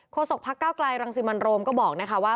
โฆษกภักดิ์เก้ากลายรังสิบันโรมก็บอกว่า